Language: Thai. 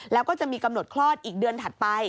แล้วก็จะมีกำหนดคลอดอีกเดือนถัดไป